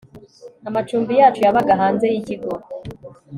amacumbi yacu yabaga hanze yikigo